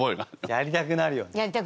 やりたくなるよね。